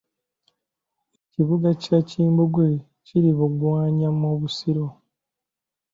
Ekibuga kya Kimbugwe kiri Bugwanya mu Busiro.